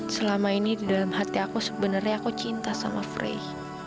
selama ini di dalam hati aku sebenarnya aku cinta sama frey